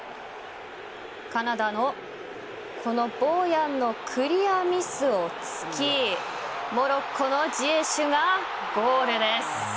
カナダのこのボーヤンのクリアミスを突きモロッコのジエシュがゴールです。